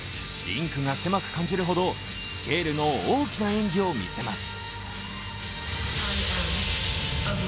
リンクが狭く感じるほどスケールの大きな演技を見せます。